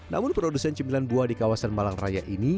namun produksi cimpilan buah di kawasan malang raya ini